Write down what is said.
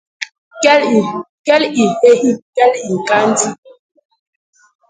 Kel i nheyi! kel i ñkandi.